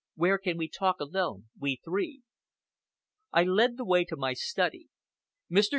Where can we talk alone, we three?" I led the way to my study. Mr.